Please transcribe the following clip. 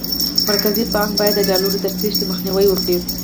مرکزي بانک باید د ډالرو د تېښتې مخنیوی وکړي.